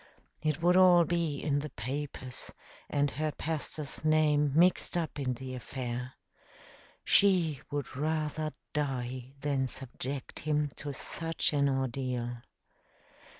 It would all be in the papers, and her pastor's name mixed up in the affair. She would rather die than subject him to such an ordeal.